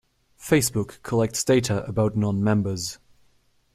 Facebook collects data about non-members.